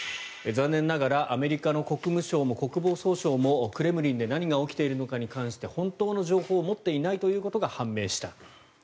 残念ながらアメリカの国務省も国防総省もクレムリンで何が起きているのかに関して本当の情報を持っていないということが判明した。